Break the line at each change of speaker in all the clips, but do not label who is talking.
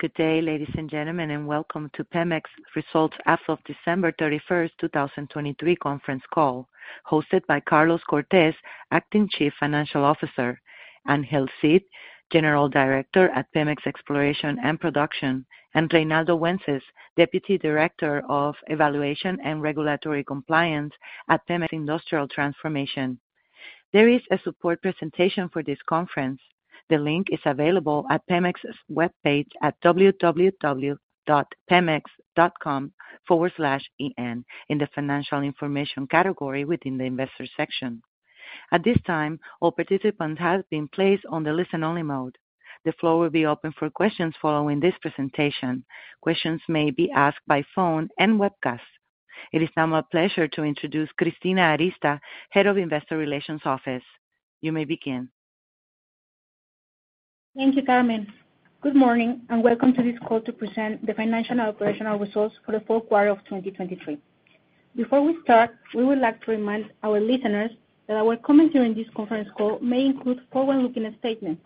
Good day, ladies and gentlemen, and welcome to PEMEX Results as of December 31, 2023 conference call, hosted by Carlos Cortez, Acting Chief Financial Officer, Angel Cid, General Director at PEMEX Exploration and Production, and Reinaldo Wences, Deputy Director of Evaluation and Regulatory Compliance at PEMEX Industrial Transformation. There is a support presentation for this conference. The link is available at PEMEX's web page at www.pemex.com/en in the Financial Information category within the Investor section. At this time, all participants have been placed on the listen-only mode. The floor will be open for questions following this presentation. Questions may be asked by phone and webcast. It is now my pleasure to introduce Cristina Arista, Head of Investor Relations Office. You may begin.
Thank you, Carmen. Good morning and welcome to this call to present the Financial Operational Results for the fourth quarter of 2023. Before we start, we would like to remind our listeners that our comments during this conference call may include forward-looking statements.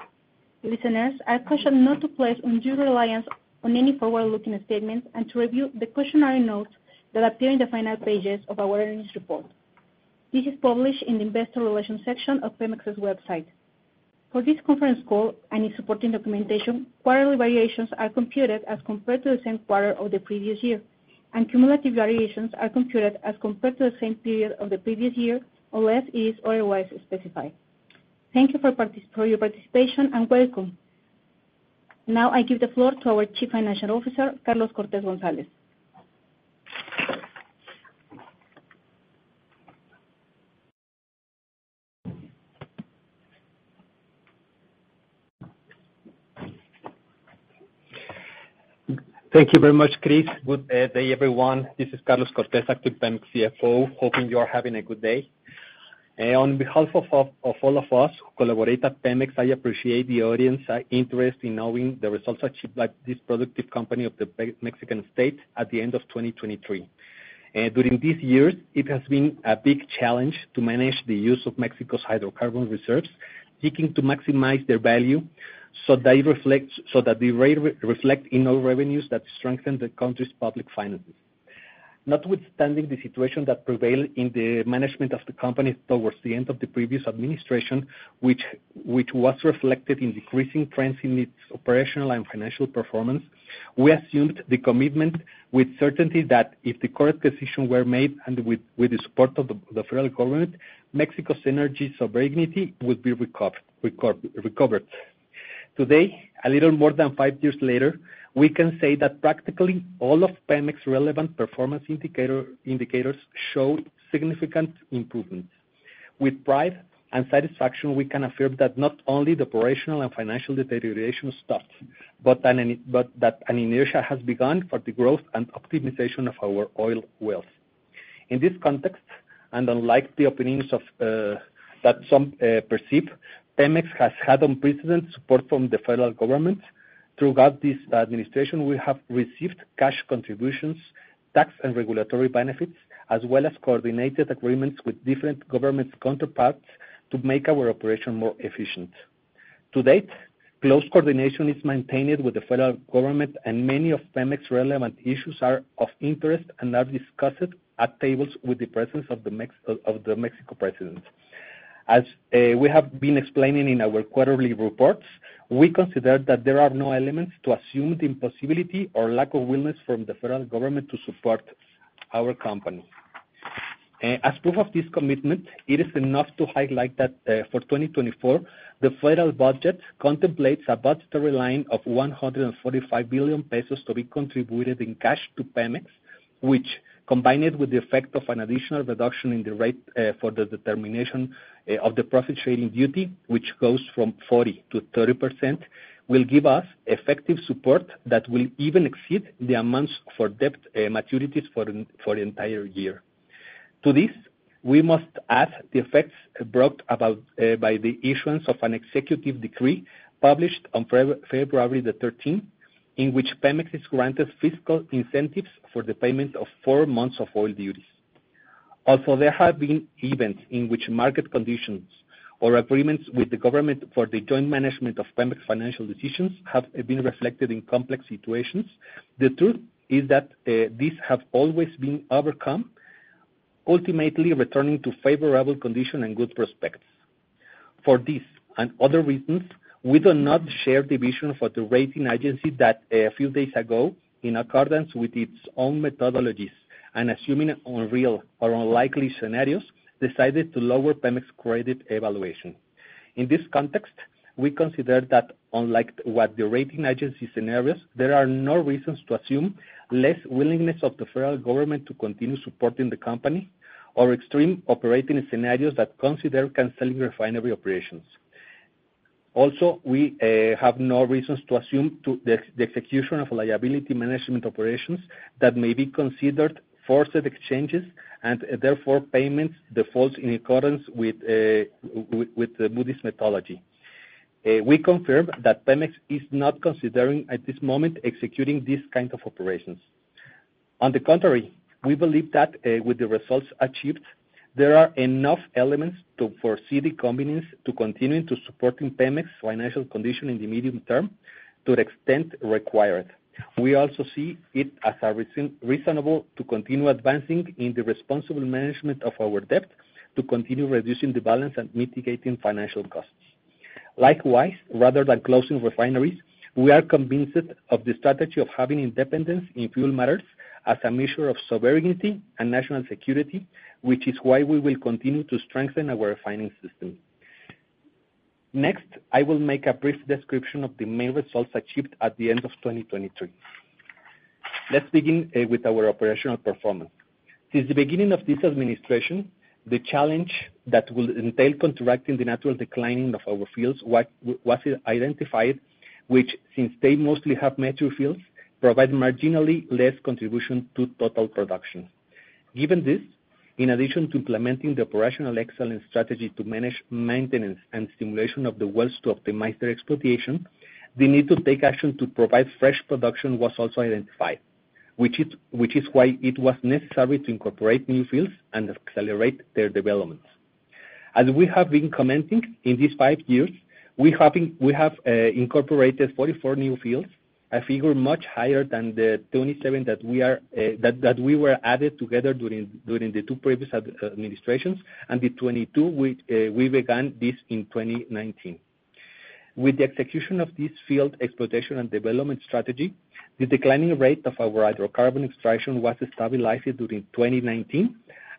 Listeners, our questions are not to place undue reliance on any forward-looking statements and to review the cautionary notes that appear in the final pages of our earnings report. This is published in the Investor Relations section of PEMEX's website. For this conference call and its supporting documentation, quarterly variations are computed as compared to the same quarter of the previous year, and cumulative variations are computed as compared to the same period of the previous year unless it is otherwise specified. Thank you for your participation and welcome. Now I give the floor to our Chief Financial Officer, Carlos Cortez González.
Thank you very much, Cris. Good day, everyone. This is Carlos Cortez, Acting PEMEX CFO, hoping you are having a good day. On behalf of all of us who collaborate at PEMEX, I appreciate the audience's interest in knowing the results achieved by this productive company of the Mexican state at the end of 2023. During these years, it has been a big challenge to manage the use of Mexico's hydrocarbon reserves, seeking to maximize their value so that they reflect in-house revenues that strengthen the country's public finances. Notwithstanding the situation that prevailed in the management of the company towards the end of the previous administration, which was reflected in decreasing trends in its operational and financial performance, we assumed the commitment with certainty that if the correct decisions were made and with the support of the federal government, Mexico's energy sovereignty would be recovered. Today, a little more than five years later, we can say that practically all of PEMEX's relevant performance indicators show significant improvement. With pride and satisfaction, we can affirm that not only the operational and financial deterioration stopped, but that an inertia has begun for the growth and optimization of our oil wealth. In this context, and unlike the opinions that some perceive, PEMEX has had unprecedented support from the federal government. Throughout this administration, we have received cash contributions, tax and regulatory benefits, as well as coordinated agreements with different governments' counterparts to make our operation more efficient. To date, close coordination is maintained with the federal government, and many of PEMEX's relevant issues are of interest and are discussed at tables with the presence of the Mexican President. As we have been explaining in our quarterly reports, we consider that there are no elements to assume the impossibility or lack of willingness from the federal government to support our company. As proof of this commitment, it is enough to highlight that for 2024, the federal budget contemplates a budgetary line of 145 billion pesos to be contributed in cash to PEMEX, which, combined with the effect of an additional reduction in the rate for the determination of the profit-sharing duty, which goes from 40%-30%, will give us effective support that will even exceed the amounts for debt maturities for the entire year. To this, we must add the effects brought about by the issuance of an executive decree published on February 13th, in which PEMEX is granted fiscal incentives for the payment of four months of oil duties. Although there have been events in which market conditions or agreements with the government for the joint management of PEMEX financial decisions have been reflected in complex situations, the truth is that these have always been overcome, ultimately returning to favorable conditions and good prospects. For this and other reasons, we do not share the vision for the rating agency that, a few days ago, in accordance with its own methodologies and assuming unreal or unlikely scenarios, decided to lower PEMEX's credit evaluation. In this context, we consider that, unlike what the rating agency scenarios, there are no reasons to assume less willingness of the federal government to continue supporting the company or extreme operating scenarios that consider canceling refinery operations. Also, we have no reasons to assume the execution of liability management operations that may be considered forced exchanges and, therefore, payment defaults in accordance with its methodology. We confirm that PEMEX is not considering, at this moment, executing these kinds of operations. On the contrary, we believe that, with the results achieved, there are enough elements to foresee the convenience to continue supporting PEMEX financial conditions in the medium term to the extent required. We also see it as reasonable to continue advancing in the responsible management of our debt to continue reducing the balance and mitigating financial costs. Likewise, rather than closing refineries, we are convinced of the strategy of having independence in fuel matters as a measure of sobriety and national security, which is why we will continue to strengthen our refining system. Next, I will make a brief description of the main results achieved at the end of 2023. Let's begin with our operational performance. Since the beginning of this administration, the challenge that will entail contracting the natural declining of our fields was identified, which, since they mostly have mature fields, provide marginally less contribution to total production. Given this, in addition to implementing the operational excellence strategy to manage maintenance and stimulation of the wealth to optimize their exploitation, the need to take action to provide fresh production was also identified, which is why it was necessary to incorporate new fields and accelerate their development. As we have been commenting, in these five years, we have incorporated 44 new fields, a figure much higher than the 27 that we were added together during the two previous administrations, and the 22, we began this in 2019. With the execution of this field exploitation and development strategy, the declining rate of our hydrocarbon extraction was stabilized during 2019,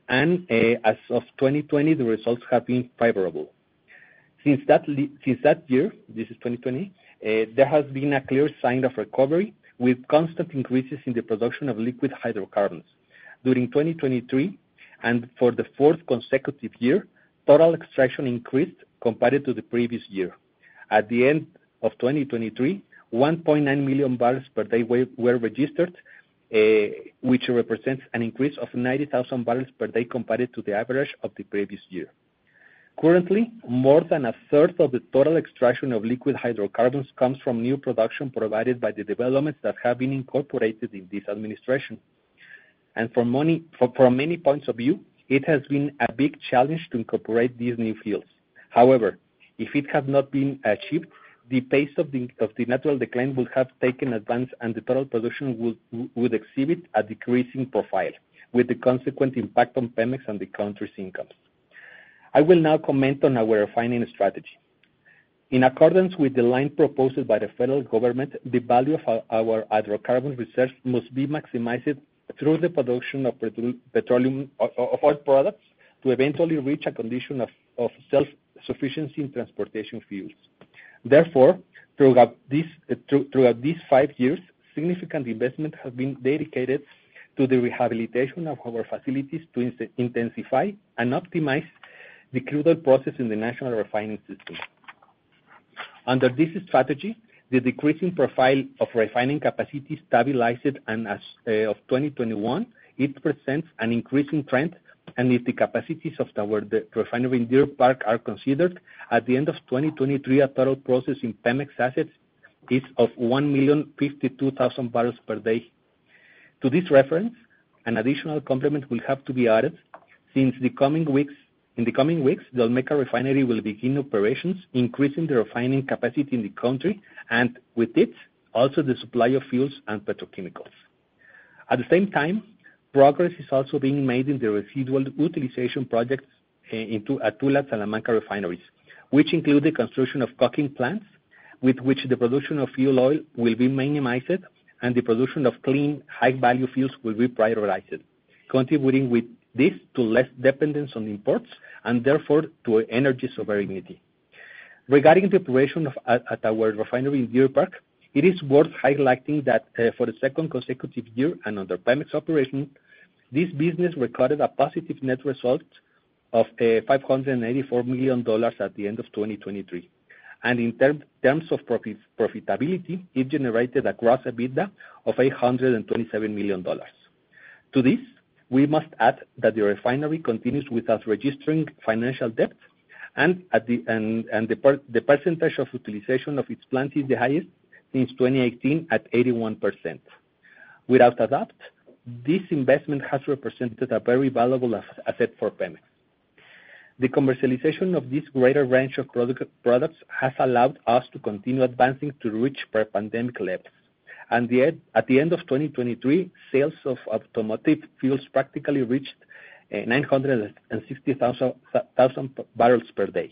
and as of 2020, the results have been favorable. Since that year (this is 2020), there has been a clear sign of recovery with constant increases in the production of liquid hydrocarbons. During 2023 and for the fourth consecutive year, total extraction increased compared to the previous year. At the end of 2023, 1.9 million bbl per day were registered, which represents an increase of 90,000 bbl per day compared to the average of the previous year. Currently, more than a third of the total extraction of liquid hydrocarbons comes from new production provided by the developments that have been incorporated in this administration. From many points of view, it has been a big challenge to incorporate these new fields. However, if it had not been achieved, the pace of the natural decline would have taken advance, and the total production would exhibit a decreasing profile, with the consequent impact on PEMEX and the country's incomes. I will now comment on our refining strategy. In accordance with the line proposed by the federal government, the value of our hydrocarbon reserves must be maximized through the production of oil products to eventually reach a condition of self-sufficiency in transportation fuels. Therefore, throughout these five years, significant investment has been dedicated to the rehabilitation of our facilities to intensify and optimize the crude oil process in the national refining system. Under this strategy, the decreasing profile of refining capacity stabilized, and as of 2021, it presents an increasing trend, and if the capacities of our refinery in Deer Park are considered, at the end of 2023, a total process in PEMEX assets is of 1,052,000 bbl per day. To this reference, an additional complement will have to be added since in the coming weeks, Olmeca Refinery will begin operations, increasing the refining capacity in the country and, with it, also the supply of fuels and petrochemicals. At the same time, progress is also being made in the residual utilization projects at Tula Salamanca refineries, which include the construction of coking plants, with which the production of fuel oil will be minimized, and the production of clean, high-value fuels will be prioritized, contributing with this to less dependence on imports and, therefore, to energy sovereignty. Regarding the operation at our refinery in Deer Park, it is worth highlighting that for the second consecutive year and under PEMEX operation, this business recorded a positive net result of $584 million at the end of 2023. In terms of profitability, it generated a gross EBITDA of $827 million. To this, we must add that the refinery continues without registering financial debt, and the percentage of utilization of its plants is the highest since 2018 at 81%. Without that, this investment has represented a very valuable asset for PEMEX. The commercialization of this greater range of products has allowed us to continue advancing to reach pre-pandemic levels. At the end of 2023, sales of automotive fuels practically reached 960,000 bbl per day.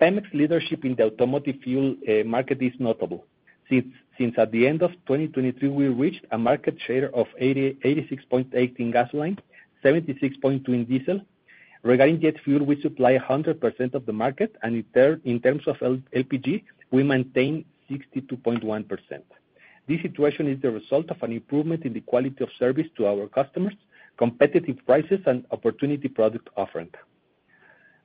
PEMEX leadership in the automotive fuel market is notable since at the end of 2023, we reached a market share of 86.8% in gasoline, 76.2% in diesel. Regarding jet fuel, we supply 100% of the market, and in terms of LPG, we maintain 62.1%. This situation is the result of an improvement in the quality of service to our customers, competitive prices, and opportunity product offering.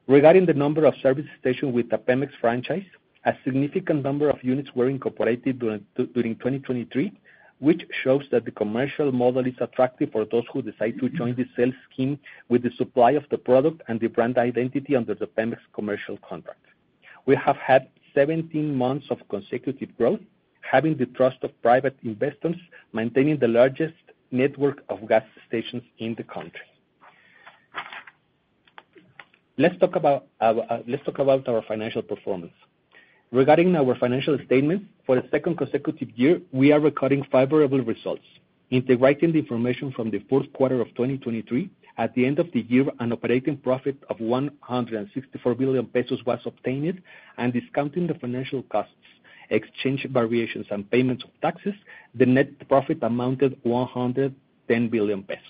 Regarding the number of service stations with the PEMEX franchise, a significant number of units were incorporated during 2023, which shows that the commercial model is attractive for those who decide to join the sales scheme with the supply of the product and the brand identity under the PEMEX commercial contract. We have had 17 months of consecutive growth, having the trust of private investors maintaining the largest network of gas stations in the country. Let's talk about our financial performance. Regarding our financial statements, for the second consecutive year, we are recording favorable results. Integrating the information from the fourth quarter of 2023, at the end of the year, an operating profit of 164 billion pesos was obtained, and discounting the financial costs, exchange variations, and payments of taxes, the net profit amounted to 110 billion pesos.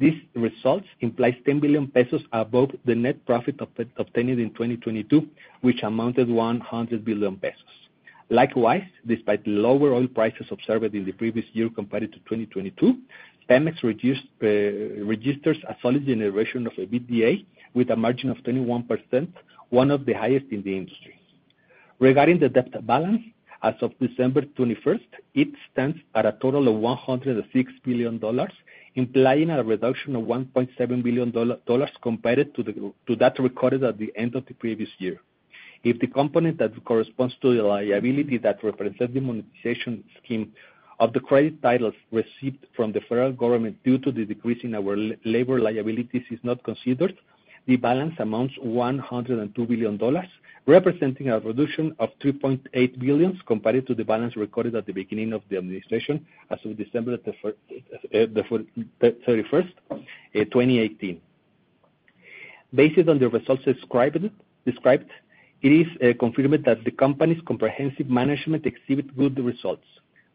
These results imply 10 billion pesos above the net profit obtained in 2022, which amounted to 100 billion pesos. Likewise, despite lower oil prices observed in the previous year compared to 2022, PEMEX registers a solid generation of EBITDA with a margin of 21%, one of the highest in the industry. Regarding the debt balance, as of December 21st, it stands at a total of $106 billion, implying a reduction of $1.7 billion compared to that recorded at the end of the previous year. If the component that corresponds to the liability that represents the monetization scheme of the credit titles received from the federal government due to the decrease in our labor liabilities is not considered, the balance amounts to $102 billion, representing a reduction of $3.8 billion compared to the balance recorded at the beginning of the administration, as of December 31st, 2018. Based on the results described, it is confirmed that the company's comprehensive management exhibits good results.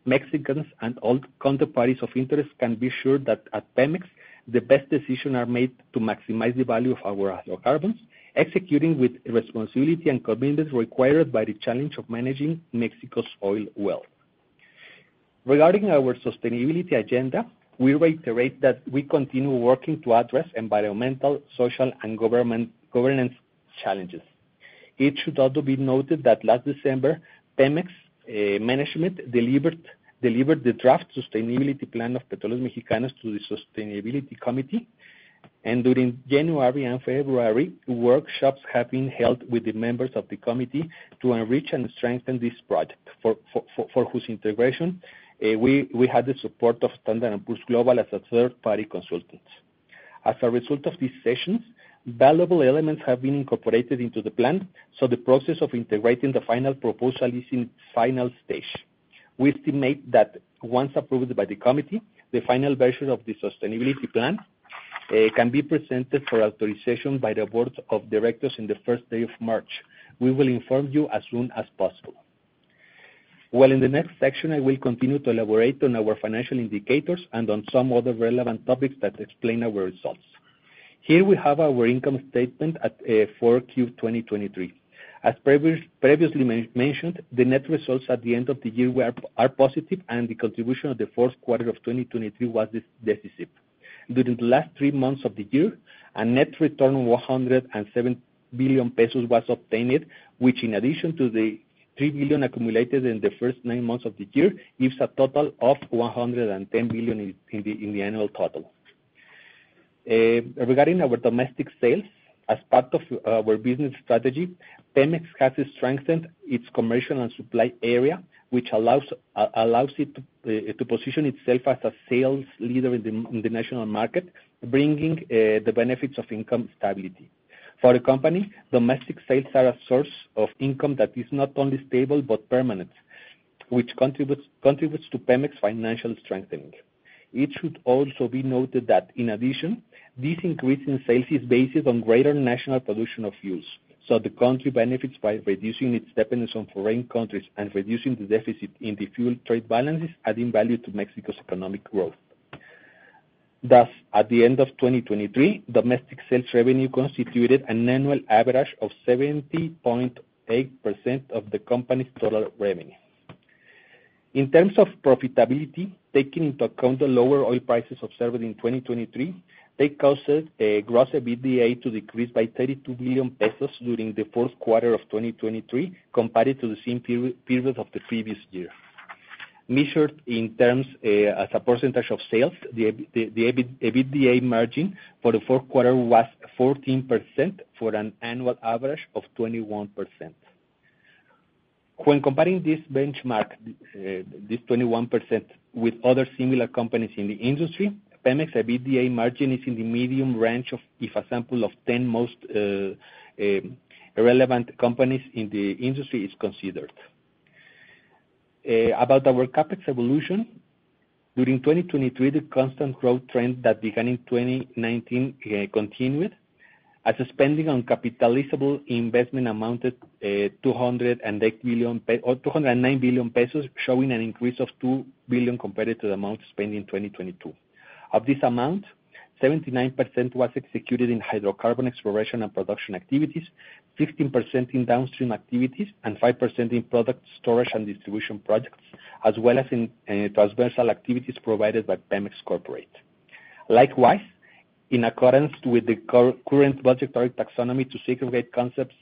Mexicans and all counterparties of interest can be sure that at PEMEX, the best decisions are made to maximize the value of our hydrocarbons, executing with responsibility and convenience required by the challenge of managing Mexico's oil wealth. Regarding our sustainability agenda, we reiterate that we continue working to address environmental, social, and governance challenges. It should also be noted that last December, PEMEX management delivered the draft sustainability plan of Petróleos Mexicanos to the Sustainability Committee, and during January and February, workshops have been held with the members of the committee to enrich and strengthen this project, for whose integration we had the support of S&P Global as a third-party consultant. As a result of these sessions, valuable elements have been incorporated into the plan, so the process of integrating the final proposal is in its final stage. We estimate that once approved by the committee, the final version of the sustainability plan can be presented for authorization by the board of directors on the first day of March. We will inform you as soon as possible. While in the next section, I will continue to elaborate on our financial indicators and on some other relevant topics that explain our results. Here, we have our income statement for Q2023. As previously mentioned, the net results at the end of the year are positive, and the contribution of the fourth quarter of 2023 was decisive. During the last three months of the year, a net return of 107 billion pesos was obtained, which, in addition to the 3 billion accumulated in the first nine months of the year, gives a total of 110 billion in the annual total. Regarding our domestic sales, as part of our business strategy, PEMEX has strengthened its commercial and supply area, which allows it to position itself as a sales leader in the national market, bringing the benefits of income stability. For the company, domestic sales are a source of income that is not only stable but permanent, which contributes to PEMEX financial strengthening. It should also be noted that, in addition, this increase in sales is based on greater national production of fuels, so the country benefits by reducing its dependence on foreign countries and reducing the deficit in the fuel trade balances, adding value to Mexico's economic growth. Thus, at the end of 2023, domestic sales revenue constituted an annual average of 70.8% of the company's total revenue. In terms of profitability, taking into account the lower oil prices observed in 2023, they caused gross EBITDA to decrease by 32 billion pesos during the fourth quarter of 2023 compared to the same period of the previous year. Measured in terms as a percentage of sales, the EBITDA margin for the fourth quarter was 14% for an annual average of 21%. When comparing this benchmark, this 21%, with other similar companies in the industry, PEMEX EBITDA margin is in the medium range, if a sample of 10 most relevant companies in the industry is considered. About our CapEx evolution, during 2023, the constant growth trend that began in 2019 continued, as spending on capitalizable investment amounted to 209 billion pesos, showing an increase of 2 billion compared to the amount spent in 2022. Of this amount, 79% was executed in hydrocarbon exploration and production activities, 15% in downstream activities, and 5% in product storage and distribution projects, as well as in transversal activities provided by PEMEX Corporate. Likewise, in accordance with the current budgetary taxonomy to segregate concepts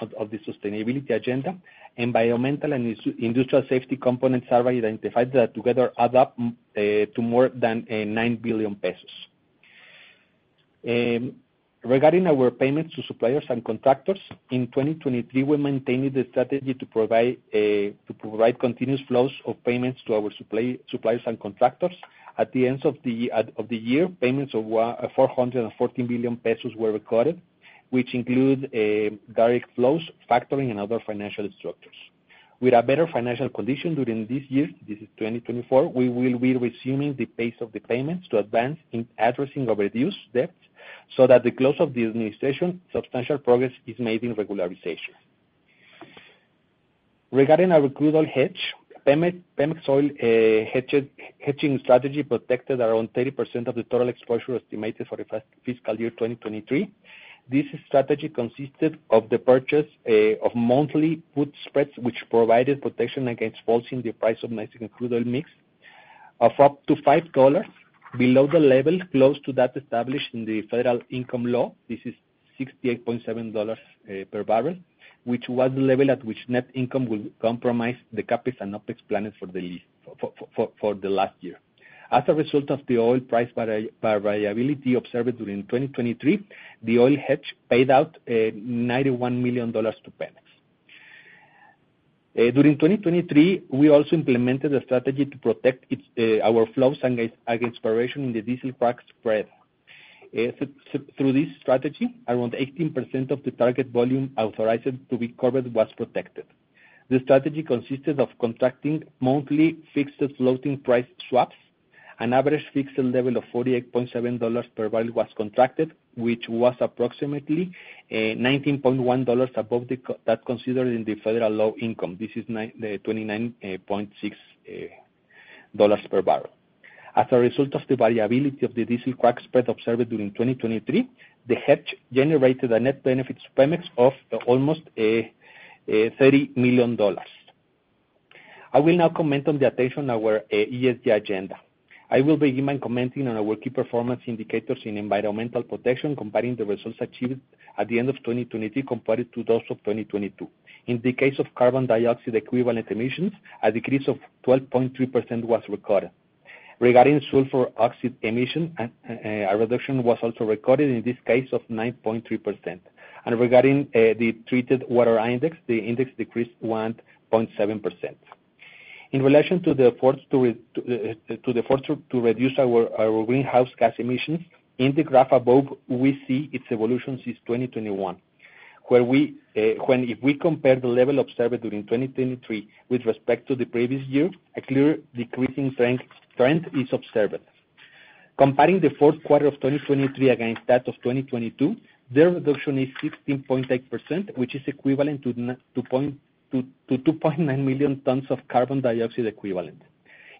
of the sustainability agenda, environmental and industrial safety components are identified that together add up to more than 9 billion pesos. Regarding our payments to suppliers and contractors, in 2023, we maintained the strategy to provide continuous flows of payments to our suppliers and contractors. At the end of the year, payments of 414 billion pesos were recorded, which include direct flows, factoring, and other financial structures. With a better financial condition during this year, this is 2024, we will be resuming the pace of the payments to advance in addressing our reduced debts so that the close of the administration, substantial progress is made in regularization. Regarding our crude oil hedge, PEMEX oil hedging strategy protected around 30% of the total exposure estimated for the fiscal year 2023. This strategy consisted of the purchase of monthly put spreads, which provided protection against falling in the price of Mexican crude oil mix of up to $5 below the level close to that established in the federal income law. This is $68.7 per bbl, which was the level at which net income would compromise the CapEx and OpEx planning for the last year. As a result of the oil price variability observed during 2023, the oil hedge paid out $91 million to PEMEX. During 2023, we also implemented a strategy to protect our flows against corrosion in the diesel frac spread. Through this strategy, around 18% of the target volume authorized to be covered was protected. The strategy consisted of contracting monthly fixed floating price swaps. An average fixed level of $48.7 per bbl was contracted, which was approximately $19.1 above that considered in the federal low income. This is $29.6 per bbl. As a result of the variability of the diesel frac spread observed during 2023, the hedge generated a net benefit to PEMEX of almost $30 million. I will now comment on the attention to our ESG agenda. I will begin by commenting on our key performance indicators in environmental protection, comparing the results achieved at the end of 2023 compared to those of 2022. In the case of carbon dioxide equivalent emissions, a decrease of 12.3% was recorded. Regarding sulfur oxide emission, a reduction was also recorded, in this case, of 9.3%. Regarding the treated water index, the index decreased 1.7%. In relation to the efforts to reduce our greenhouse gas emissions, in the graph above, we see its evolution since 2021, where if we compare the level observed during 2023 with respect to the previous year, a clear decreasing trend is observed. Comparing the fourth quarter of 2023 against that of 2022, their reduction is 16.8%, which is equivalent to 2.9 million tons of carbon dioxide equivalent.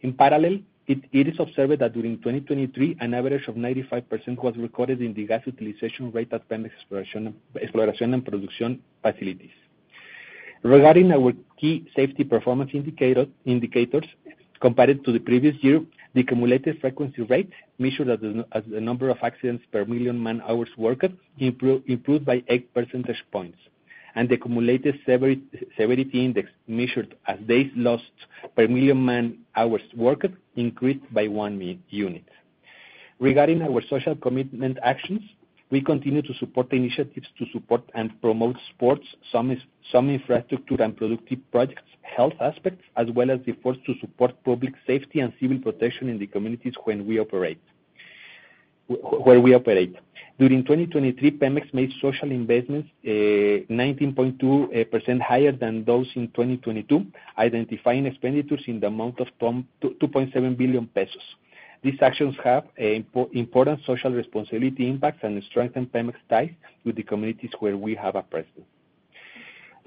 In parallel, it is observed that during 2023, an average of 95% was recorded in the gas utilization rate at PEMEX Exploration and Production facilities. Regarding our key safety performance indicators, compared to the previous year, the accumulated frequency rate measured as the number of accidents per million man-hours worked, improved by eight percentage points, and the accumulated severity index measured as days lost per million man-hours worked, increased by one unit. Regarding our social commitment actions, we continue to support initiatives to support and promote sports, some infrastructure and productive projects, health aspects, as well as efforts to support public safety and civil protection in the communities where we operate. During 2023, PEMEX made social investments 19.2% higher than those in 2022, identifying expenditures in the amount of 2.7 billion pesos. These actions have important social responsibility impacts and strengthen PEMEX ties with the communities where we have a presence.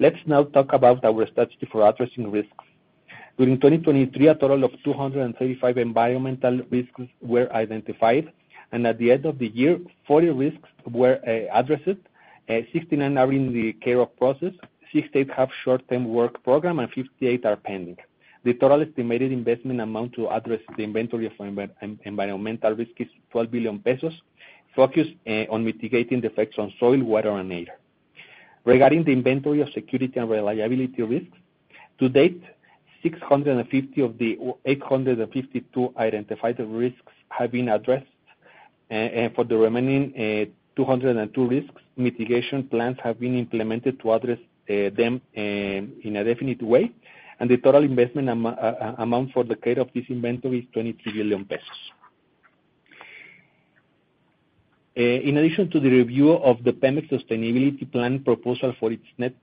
Let's now talk about our strategy for addressing risks. During 2023, a total of 235 environmental risks were identified, and at the end of the year, 40 risks were addressed, 69 are in the care of process, 68 have short-term work program, and 58 are pending. The total estimated investment amount to address the inventory of environmental risk is 12 billion pesos, focused on mitigating the effects on soil, water, and air. Regarding the inventory of security and reliability risks, to date, 650 of the 852 identified risks have been addressed, and for the remaining 202 risks, mitigation plans have been implemented to address them in a definite way, and the total investment amount for the care of this inventory is 23 billion pesos. In addition to the review of the PEMEX sustainability plan proposal for its next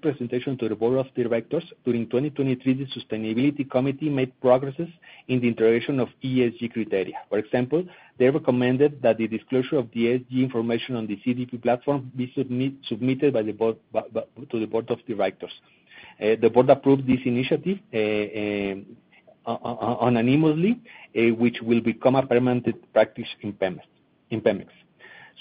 presentation to the board of directors, during 2023, the Sustainability Committee made progress in the integration of ESG criteria. For example, they recommended that the disclosure of the ESG information on the CDP platform be submitted to the board of directors. The board approved this initiative unanimously, which will become a permanent practice in PEMEX.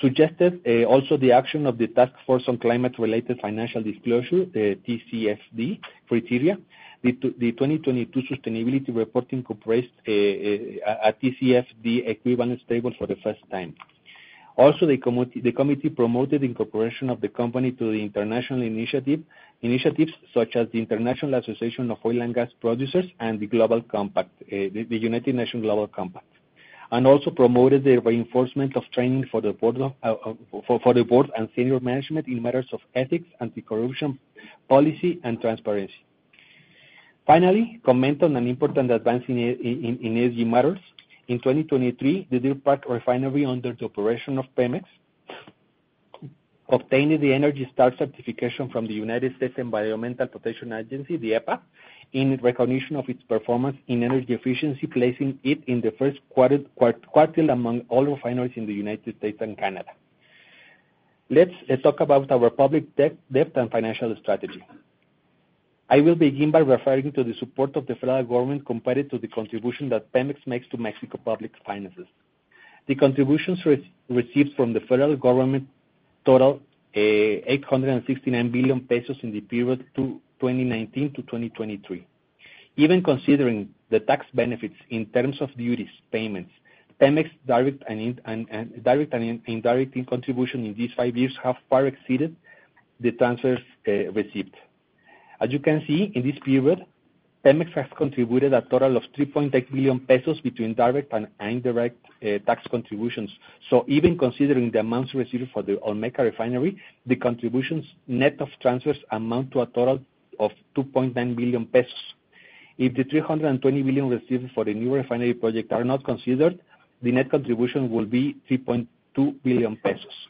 Suggested also the action of the Task Force on Climate-Related Financial Disclosures, TCFD, criteria. The 2022 sustainability report incorporates a TCFD equivalent table for the first time. Also, the committee promoted the incorporation of the company to the international initiatives such as the International Association of Oil and Gas Producers and the United Nations Global Compact, and also promoted the reinforcement of training for the board and senior management in matters of ethics, anti-corruption policy, and transparency. Finally, comment on an important advance in ESG matters. In 2023, the Deer Park Refinery, under the operation of PEMEX, obtained the Energy Star certification from the United States Environmental Protection Agency, the EPA, in recognition of its performance in energy efficiency, placing it in the first quartile among oil refineries in the United States and Canada. Let's talk about our public debt and financial strategy. I will begin by referring to the support of the federal government compared to the contribution that PEMEX makes to Mexico public finances. The contributions received from the federal government total 869 billion pesos in the period 2019 to 2023. Even considering the tax benefits in terms of duties payments, PEMEX direct and indirect contributions in these five years have far exceeded the transfers received. As you can see, in this period, PEMEX has contributed a total of 3.8 billion pesos between direct and indirect tax contributions. So even considering the amounts received for the Olmeca Refinery, the contributions net of transfers amount to a total of 2.9 billion pesos. If the 320 billion received for the new refinery project are not considered, the net contribution will be 3.2 billion pesos.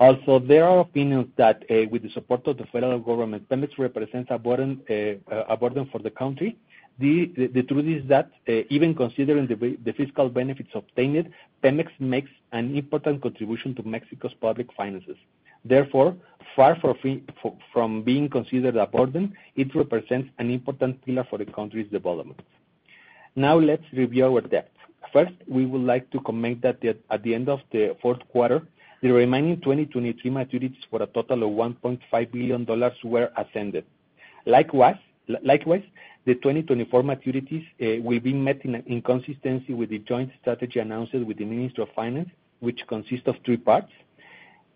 Also, there are opinions that with the support of the federal government, PEMEX represents a burden for the country. The truth is that even considering the fiscal benefits obtained, PEMEX makes an important contribution to Mexico's public finances. Therefore, far from being considered a burden, it represents an important pillar for the country's development. Now, let's review our debt. First, we would like to comment that at the end of the fourth quarter, the remaining 2023 maturities for a total of $1.5 billion were addressed. Likewise, the 2024 maturities will be met in consistency with the joint strategy announced with the Minister of Finance, which consists of three parts.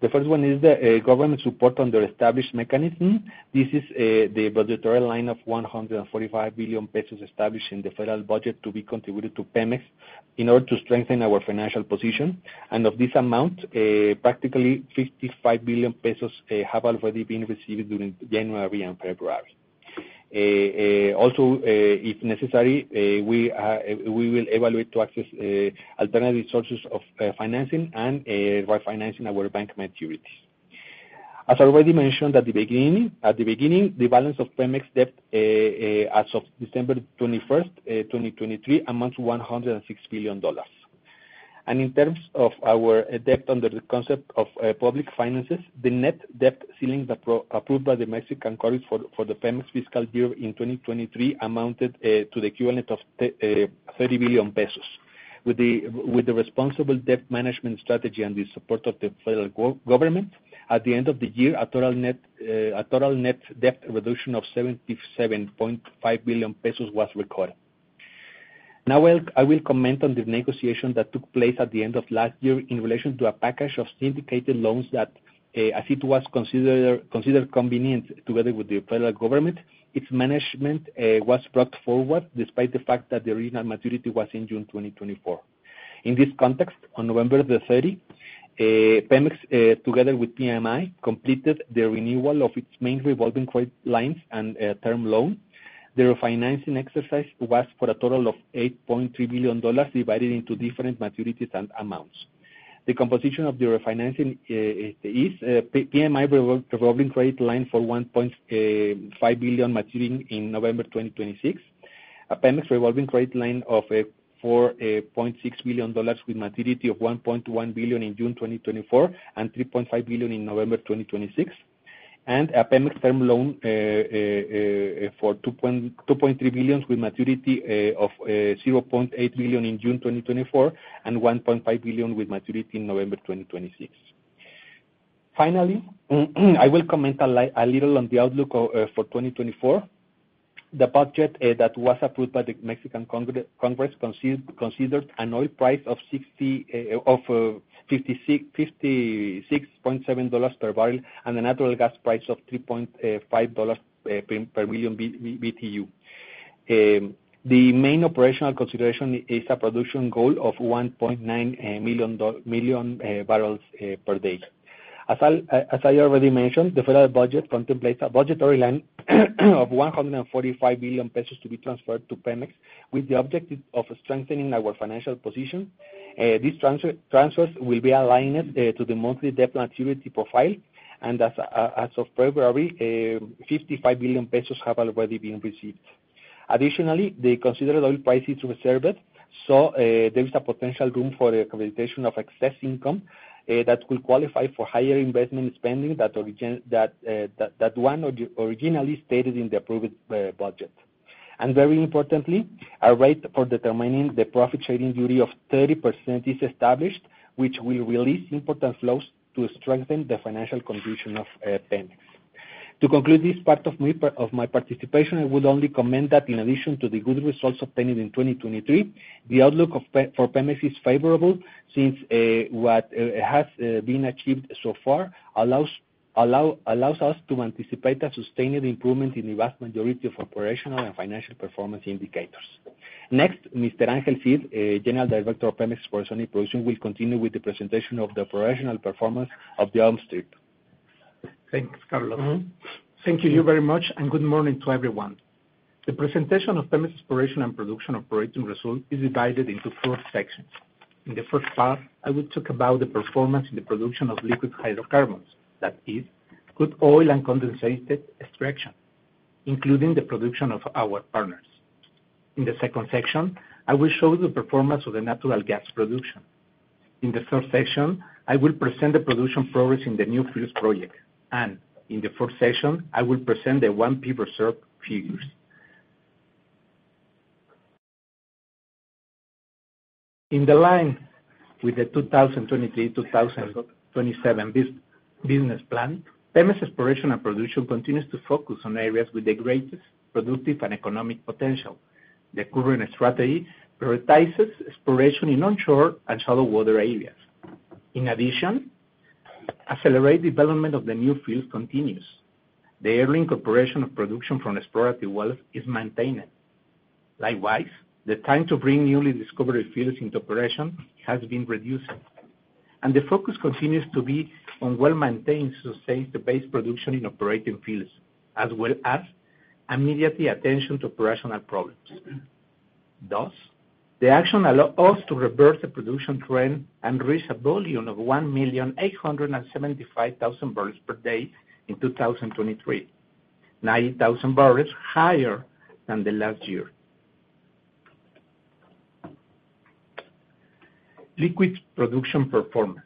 The first one is the government support under established mechanism. This is the budgetary line of 145 billion pesos established in the federal budget to be contributed to PEMEX in order to strengthen our financial position. And of this amount, practically 55 billion pesos have already been received during January and February. Also, if necessary, we will evaluate to access alternative sources of financing and refinancing our bank maturities. As already mentioned at the beginning, the balance of PEMEX debt as of December 21, 2023, amounts to $106 billion. In terms of our debt under the concept of public finances, the net debt ceiling approved by the Mexican CORES for the PEMEX fiscal year in 2023 amounted to the equivalent of 30 billion pesos. With the responsible debt management strategy and the support of the federal government, at the end of the year, a total net debt reduction of 77.5 billion pesos was recorded. Now, I will comment on the negotiation that took place at the end of last year in relation to a package of syndicated loans that, as it was considered convenient together with the federal government, its management was brought forward despite the fact that the original maturity was in June 2024. In this context, on November 30, PEMEX, together with PMI, completed the renewal of its main revolving credit lines and term loan. The refinancing exercise was for a total of $8.3 billion divided into different maturities and amounts. The composition of the refinancing is PMI revolving credit line for $1.5 billion maturing in November 2026, a PEMEX revolving credit line of $4.6 billion with maturity of $1.1 billion in June 2024 and $3.5 billion in November 2026, and a PEMEX term loan for $2.3 billion with maturity of $0.8 billion in June 2024 and $1.5 billion with maturity in November 2026. Finally, I will comment a little on the outlook for 2024. The budget that was approved by the Mexican Congress considered an oil price of $56.7 per bbl and a natural gas price of $3.5 per million BTU. The main operational consideration is a production goal of 1.9 million bbl per day. As I already mentioned, the federal budget contemplates a budgetary line of 145 billion pesos to be transferred to PEMEX with the objective of strengthening our financial position. These transfers will be aligned to the monthly debt maturity profile, and as of February, 55 billion pesos have already been received. Additionally, the considered oil prices reserved saw there is a potential room for accreditation of excess income that will qualify for higher investment spending that one originally stated in the approved budget. Very importantly, a rate for determining the profit-sharing duty of 30% is established, which will release important flows to strengthen the financial condition of PEMEX. To conclude this part of my participation, I would only comment that in addition to the good results obtained in 2023, the outlook for PEMEX is favorable since what has been achieved so far allows us to anticipate a sustained improvement in the vast majority of operational and financial performance indicators. Next, Mr. Angel Cid, General Director of PEMEX Exploration and Production, will continue with the presentation of the operational performance of the upstream.
Thanks, Carlos. Thank you very much, and good morning to everyone. The presentation of PEMEX Exploration and Production operating result is divided into four sections. In the first part, I will talk about the performance in the production of liquid hydrocarbons, that is, crude oil and condensate extraction, including the production of our partners. In the second section, I will show the performance of the natural gas production. In the third section, I will present the production progress in the new fuel project, and in the fourth section, I will present the 1P reserve figures. In line with the 2023-2027 business plan, PEMEX Exploration and Production continues to focus on areas with the greatest productive and economic potential. The current strategy prioritizes exploration in onshore and shallow-water areas. In addition, accelerated development of the new fields continues. The early incorporation of production from exploratory wells is maintained. Likewise, the time to bring newly discovered fields into operation has been reduced, and the focus continues to be on well-maintained, sustained base production in operating fields, as well as immediate attention to operational problems. Thus, the action allowed us to reverse the production trend and reach a volume of 1,875,000 bbl per day in 2023, 90,000 bbl higher than the last year. Liquid production performance.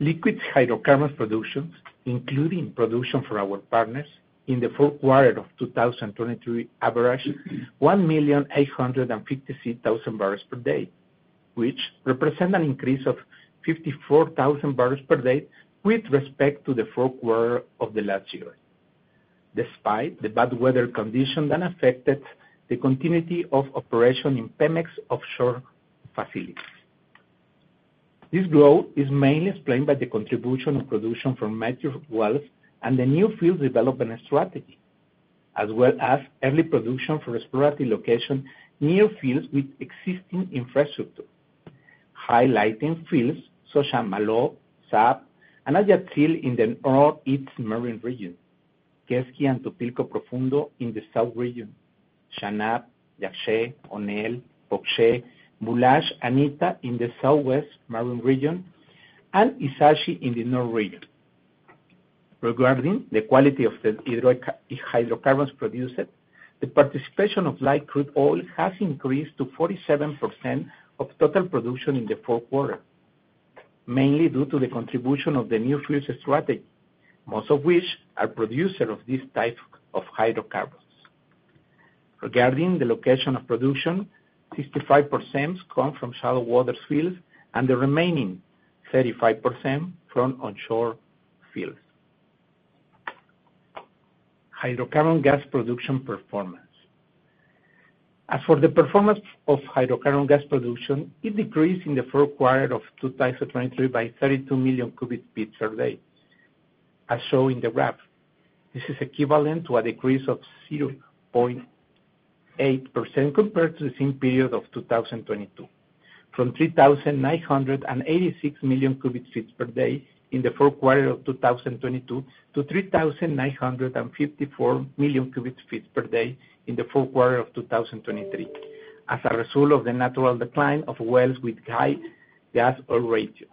Liquid hydrocarbon production, including production for our partners, in the fourth quarter of 2023 averaged 1,856,000 bbl per day, which represents an increase of 54,000 bbl per day with respect to the fourth quarter of the last year, despite the bad weather conditions that affected the continuity of operation in PEMEX offshore facilities. This growth is mainly explained by the contribution of production from mature wells and the new field development strategy, as well as early production from exploratory locations near fields with existing infrastructure, highlighting fields such as Maloob, Zaap, and Ayatsil in the North East Marine Region, Quesqui and Tupilco Profundo in the South Region, Xanab, Yaché, Onel, Poxché, Boulache, Itta in the Southwest Marine Region, and Ixachi in the North Region. Regarding the quality of the hydrocarbons produced, the participation of light crude oil has increased to 47% of total production in the fourth quarter, mainly due to the contribution of the new field strategy, most of which are producers of this type of hydrocarbons. Regarding the location of production, 65% comes from shallow-water fields, and the remaining 35% from onshore fields. Hydrocarbon gas production performance. As for the performance of hydrocarbon gas production, it decreased in the fourth quarter of 2023 by 32 millioncu ft per day, as shown in the graph. This is equivalent to a decrease of 0.8% compared to the same period of 2022, from 3,986 million cu ft per day in the fourth quarter of 2022 to 3,954 millioncu ft per day in the fourth quarter of 2023, as a result of the natural decline of wells with high gas oil ratio.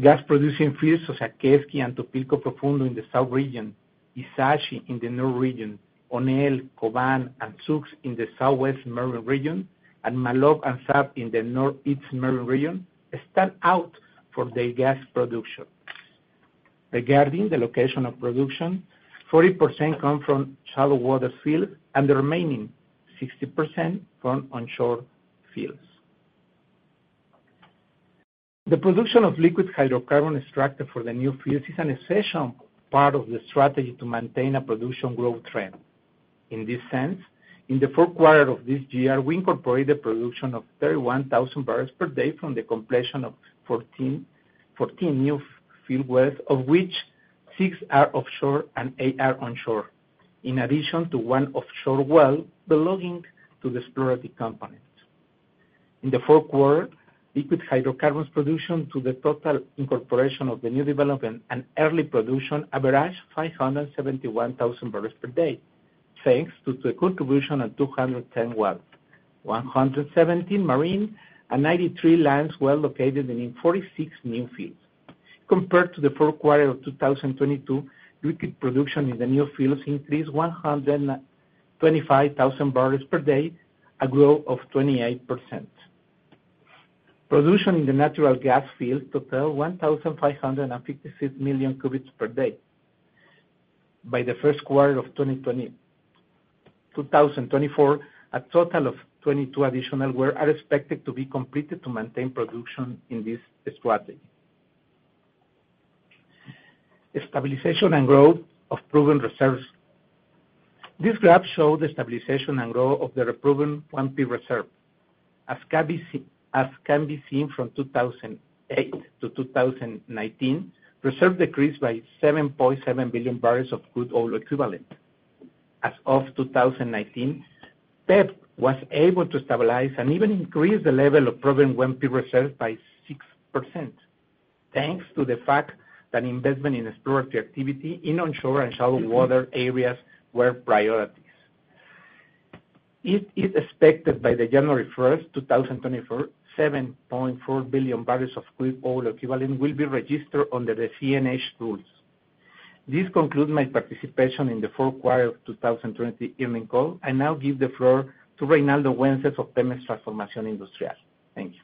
Gas-producing fields such as Quesqui and Tupilco Profundo in the South Region, Ixachi in the North Region, Onel, Koban, and Souks in the Southwest Marine Region, and Malo and SAP in the North East Marine Region stand out for their gas production. Regarding the location of production, 40% come from shallow-water fields, and the remaining 60% from onshore fields. The production of liquid hydrocarbon extraction for the new fields is an essential part of the strategy to maintain a production growth trend. In this sense, in the fourth quarter of this year, we incorporated production of 31,000 bbl per day from the completion of 14 new field wells, of which six are offshore and eight are onshore, in addition to one offshore well belonging to the exploratory campaign. In the fourth quarter, liquid hydrocarbons production from the total incorporation of the new development and early production averaged 571,000 bbl per day, thanks to the contribution of 210 wells, 117 marine wells, and 93 land wells located in 46 new fields. Compared to the fourth quarter of 2022, liquid production in the new fields increased 125,000 bbl per day, a growth of 28%. Production in the natural gas fields totaled 1,556 millioncu ft per day by the first quarter of 2024, a total of 22 additional were expected to be completed to maintain production in this strategy. Stabilization and growth of proven reserves. This graph shows the stabilization and growth of the proven 1P reserves. As can be seen from 2008-2019, reserves decreased by 7.7 billion bbl of oil equivalent. As of 2019, PEP was able to stabilize and even increase the level of proven 1P reserves by 6%, thanks to the fact that investment in exploratory activity in onshore and shallow-water areas were priorities. It is expected by January 1st, 2024, 7.4 billion bbl of oil equivalent will be registered under the CNH rules. This concludes my participation in the fourth quarter of 2023 evening call. I now give the floor to Reinaldo Wences of PEMEX Transformación Industrial.
Thank you.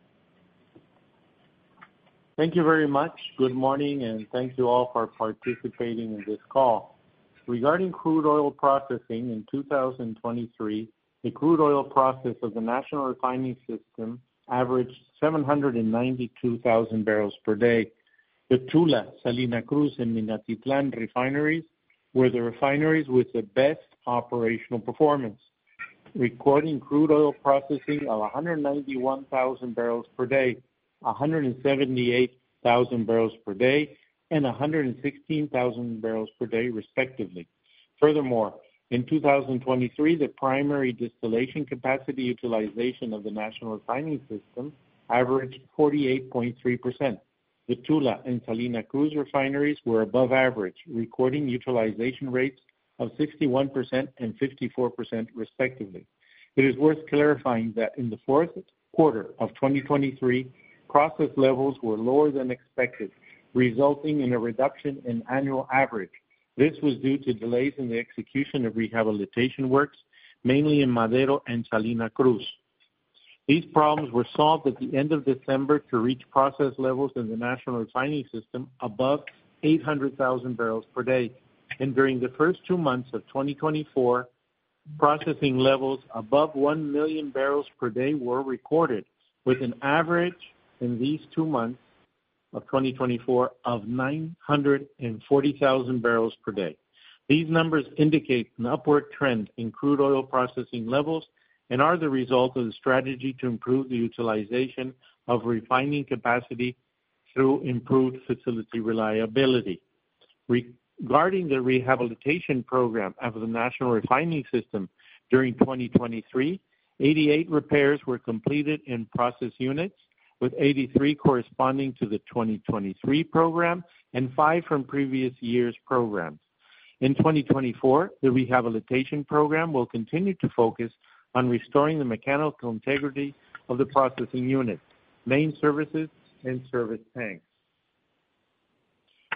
Thank you very much. Good morning, and thank you all for participating in this call. Regarding crude oil processing in 2023, the crude oil processing of the national refining system averaged 792,000 bbl per day. The Tula, Salina Cruz, and Minatitlán refineries were the refineries with the best operational performance, recording crude oil processing of 191,000 bbl per day, 178,000 bbl per day, and 116,000 bbl per day, respectively. Furthermore, in 2023, the primary distillation capacity utilization of the national refining system averaged 48.3%. The Tula and Salina Cruz refineries were above average, recording utilization rates of 61% and 54%, respectively. It is worth clarifying that in the fourth quarter of 2023, processing levels were lower than expected, resulting in a reduction in annual average. This was due to delays in the execution of rehabilitation works, mainly in Madero and Salina Cruz. These problems were solved at the end of December to reach process levels in the national refining system above 800,000 bbl per day. During the first two months of 2024, processing levels above 1,000,000 bbl per day were recorded, with an average in these two months of 2024 of 940,000 bbl per day. These numbers indicate an upward trend in crude oil processing levels and are the result of the strategy to improve the utilization of refining capacity through improved facility reliability. Regarding the rehabilitation program of the national refining system during 2023, 88 repairs were completed in process units, with 83 corresponding to the 2023 program and five from previous years' programs. In 2024, the rehabilitation program will continue to focus on restoring the mechanical integrity of the processing units, main services, and service tanks.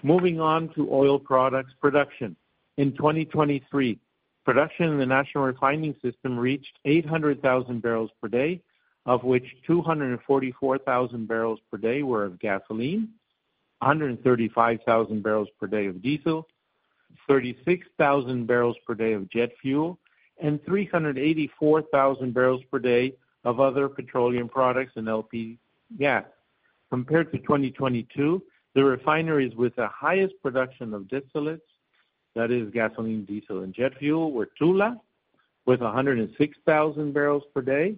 Moving on to oil products production. In 2023, production in the national refining system reached 800,000 bbl per day, of which 244,000 bbl per day were of gasoline, 135,000 bbl per day of diesel, 36,000 bbl per day of jet fuel, and 384,000 bbl per day of other petroleum products and LP gas. Compared to 2022, the refineries with the highest production of distillates, that is, gasoline, diesel, and jet fuel, were Tula with 106,000 bbl per day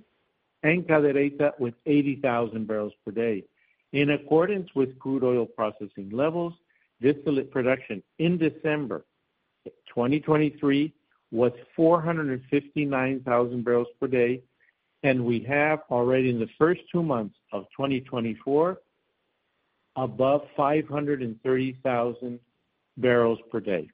and Cadereyta with 80,000 bbl per day. In accordance with crude oil processing levels, distillate production in December 2023 was 459,000 bbl per day, and we have already in the first two months of 2024 above 530,000 bbl per day.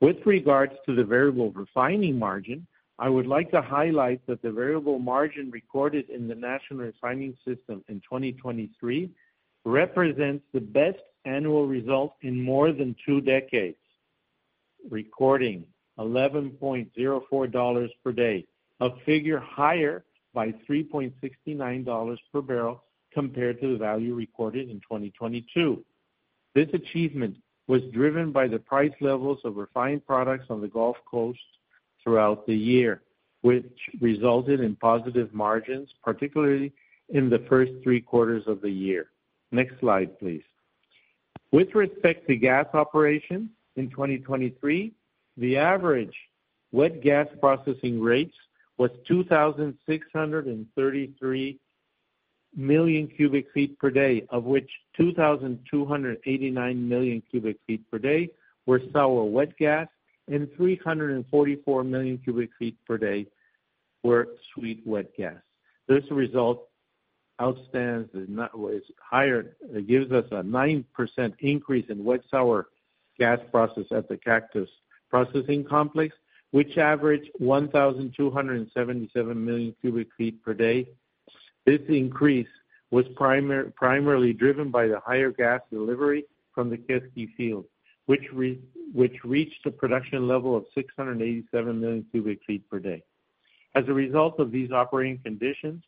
With regards to the variable refining margin, I would like to highlight that the variable margin recorded in the national refining system in 2023 represents the best annual result in more than two decades, recording $11.04 per day, a figure higher by $3.69 per bbl compared to the value recorded in 2022. This achievement was driven by the price levels of refined products on the Gulf Coast throughout the year, which resulted in positive margins, particularly in the first three quarters of the year. Next slide, please. With respect to gas operations in 2023, the average wet gas processing rates was 2,633 million cu ft per day, of which 2,289 million cu ft per day were sour wet gas, and 344 million cu ft per day were sweet wet gas. This outstanding result is higher, gives us a 9% increase in wet sour gas processed at the Cactus processing complex, which averaged 1,277 million cu ft per day. This increase was primarily driven by the higher gas delivery from the Quesqui fields, which reached a production level of 687 million cu ft per day. As a result of these operating conditions,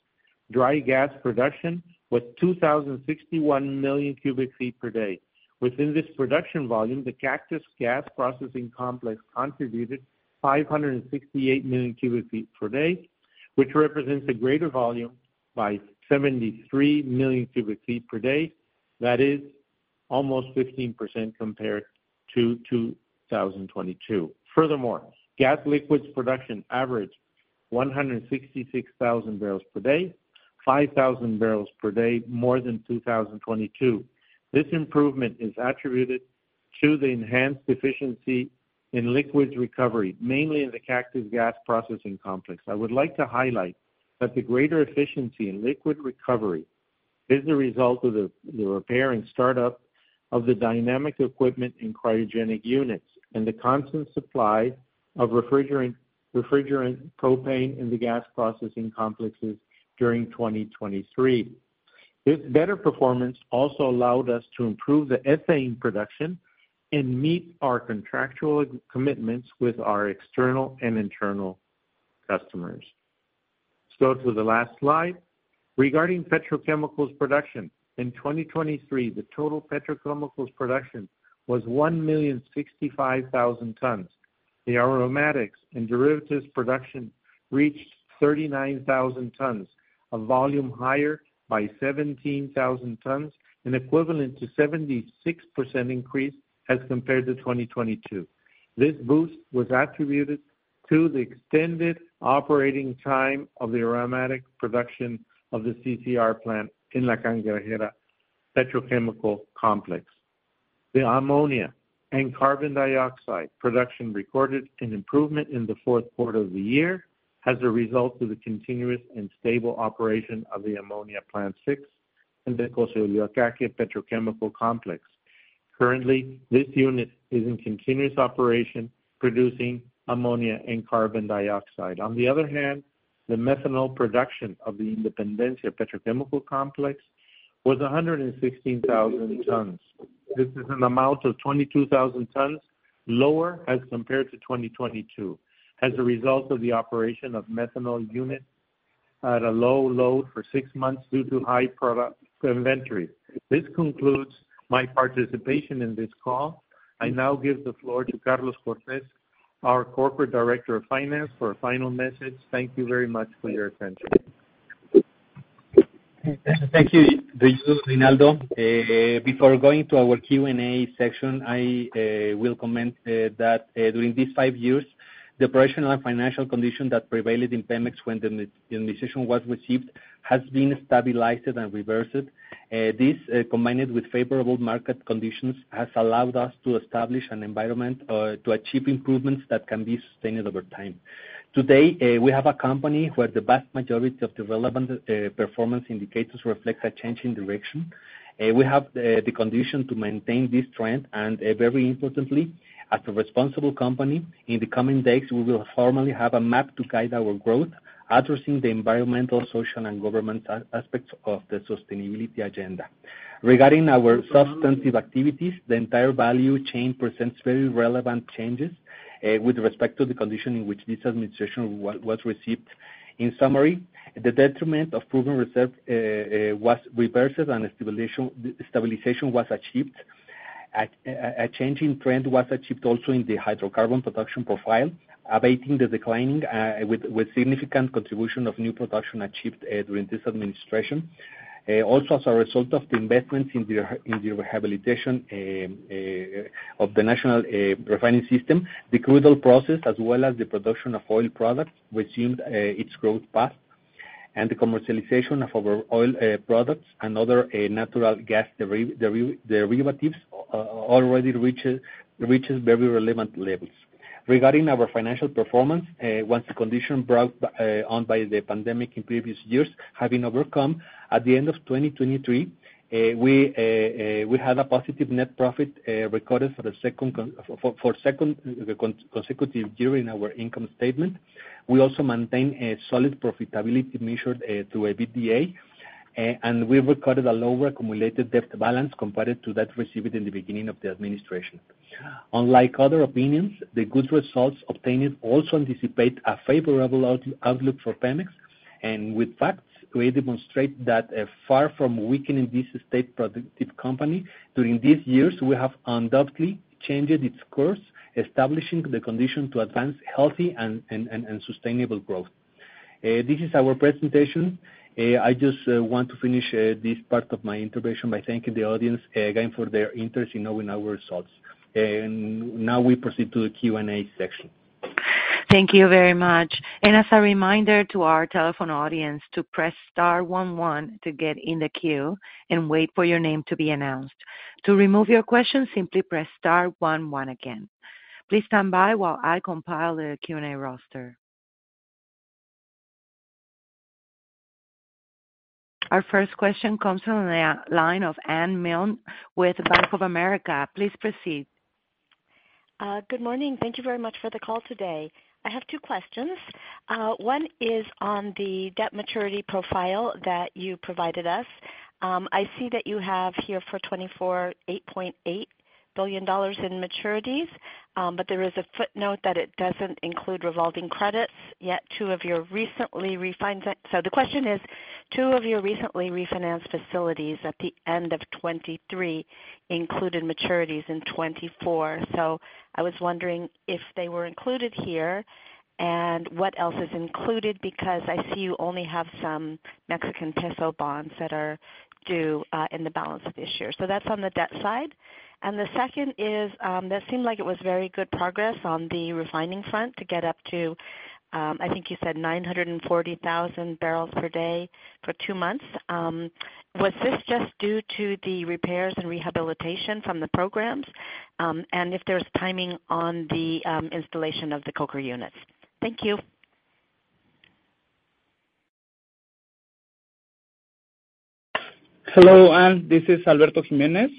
dry gas production was 2,061 million cu ft per day. Within this production volume, the Cactus gas processing complex contributed 568 million cu ft per day, which represents a greater volume by 73 million cu ft per day. That is almost 15% compared to 2022. Furthermore, gas liquids production averaged 166,000 bbl per day, 5,000 bbl per day more than 2022. This improvement is attributed to the enhanced efficiency in liquids recovery, mainly in the Cactus gas processing complex. I would like to highlight that the greater efficiency in liquid recovery is the result of the repair and startup of the dynamic equipment in cryogenic units and the constant supply of refrigerant propane in the gas processing complexes during 2023. This better performance also allowed us to improve the ethane production and meet our contractual commitments with our external and internal customers. So to the last slide. Regarding petrochemicals production, in 2023, the total petrochemicals production was 1,065,000 tons. The aromatics and derivatives production reached 39,000 tons, a volume higher by 17,000 tons, an equivalent to 76% increase as compared to 2022. This boost was attributed to the extended operating time of the aromatic production of the CCR plant in La Cangrejera petrochemical complex. The ammonia and carbon dioxide production recorded an improvement in the fourth quarter of the year as a result of the continuous and stable operation of the ammonia plant 6 in the Coatzacoalcos petrochemical complex. Currently, this unit is in continuous operation, producing ammonia and carbon dioxide. On the other hand, the methanol production of the Independencia petrochemical complex was 116,000 tons. This is an amount of 22,000 tons lower as compared to 2022 as a result of the operation of methanol units at a low load for six months due to high product inventory. This concludes my participation in this call. I now give the floor to Carlos Cortez, our Corporate Director of Finance, for a final message. Thank you very much for your attention.
Thank you, Reinaldo. Before going to our Q&A section, I will comment that during these five years, the operational and financial condition that prevailed in PEMEX when the administration was received has been stabilized and reversed. This, combined with favorable market conditions, has allowed us to establish an environment to achieve improvements that can be sustained over time. Today, we have a company where the vast majority of the relevant performance indicators reflect a changing direction. We have the condition to maintain this trend. And very importantly, as a responsible company, in the coming days, we will formally have a map to guide our growth, addressing the environmental, social, and government aspects of the sustainability agenda. Regarding our substantive activities, the entire value chain presents very relevant changes with respect to the condition in which this administration was received. In summary, the detriment of proven reserve was reversed and stabilization was achieved. A changing trend was achieved also in the hydrocarbon production profile, abating the declining with significant contribution of new production achieved during this administration. Also, as a result of the investments in the rehabilitation of the national refining system, the crude oil process, as well as the production of oil products, resumed its growth path. The commercialization of our oil products and other natural gas derivatives already reaches very relevant levels. Regarding our financial performance, once the condition brought on by the pandemic in previous years having overcome, at the end of 2023, we had a positive net profit recorded for the second consecutive year in our income statement. We also maintained a solid profitability measured through a VDA, and we recorded a lower accumulated debt balance compared to that received in the beginning of the administration. Unlike other opinions, the good results obtained also anticipate a favorable outlook for PEMEX. With facts we demonstrate that far from weakening this state productive company, during these years, we have undoubtedly changed its course, establishing the condition to advance healthy and sustainable growth. This is our presentation. I just want to finish this part of my intervention by thanking the audience again for their interest in knowing our results. Now we proceed to the Q&A section.
Thank you very much. As a reminder to our telephone audience to press star one one to get in the queue and wait for your name to be announced. To remove your question, simply press star one one again. Please stand by while I compile the Q&A roster. Our first question comes from the line of Anne Milne with Bank of America. Please proceed.
Good morning. Thank you very much for the call today. I have two questions. One is on the debt maturity profile that you provided us. I see that you have here for $24.8 billion in maturities, but there is a footnote that it doesn't include revolving credits yet. Two of your recently refinanced, so the question is, two of your recently refinanced facilities at the end of 2023 included maturities in 2024. So I was wondering if they were included here and what else is included because I see you only have some Mexican peso bonds that are due in the balance of this year. So that's on the debt side. And the second is that seemed like it was very good progress on the refining front to get up to, I think you said, 940,000 bbl per day for two months. Was this just due to the repairs and rehabilitation from the programs? And if there's timing on the installation of the coker units? Thank you.
Hello, Anne. This is Alberto Jiménez.